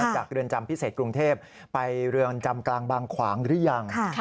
เรือนจำพิเศษกรุงเทพไปเรือนจำกลางบางขวางหรือยัง